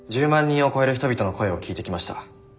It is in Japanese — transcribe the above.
人を超える人々の声を聞いてきました。